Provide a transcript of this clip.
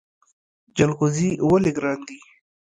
جلغوزي ولې ګران دي؟